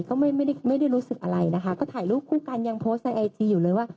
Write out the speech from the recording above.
ก็ไม่ได้ไม่ได้รู้สึกอะไรนะคะก็ถ่ายรูปคู่กันยังโพสต์ในไอจีอยู่เลยว่า